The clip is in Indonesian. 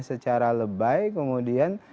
secara lebay kemudian